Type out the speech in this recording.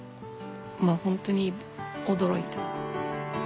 まあ本当に驚いた。